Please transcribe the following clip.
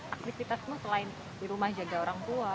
aktivitasmu selain di rumah jaga orang tua